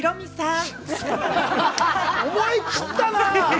思い切ったな。